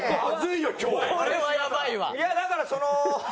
いやだからその。